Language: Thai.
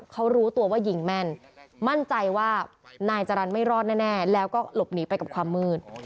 เขารู้ตัวว่ายิงแม่นมั่นใจว่านายจรรย์ไม่รอดแน่แล้วก็หลบหนีไปกับความมืด